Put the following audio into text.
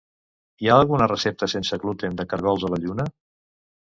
Hi ha alguna recepta sense gluten de caragols a la lluna?